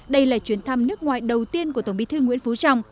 đây là chuyến thăm nước ngoài đầu tiên của tổng bí thư nguyễn phú trọng